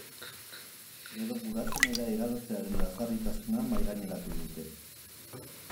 Edo gurasoenera igarotzearen lazgarritasuna mahaigaineratu dute.